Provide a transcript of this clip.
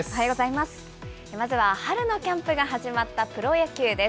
まずは春のキャンプが始まったプロ野球です。